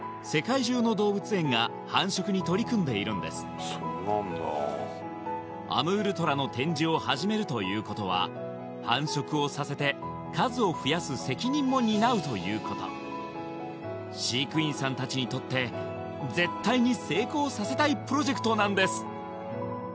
絶滅危惧種のアムールトラはアムールトラの展示を始めるということは繁殖をさせて数を増やす責任も担うということ飼育員さんたちにとって絶対に成功させたいプロジェクトなんです